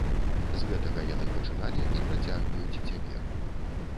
З гэтага яны пачыналі, і працягваюць цяпер.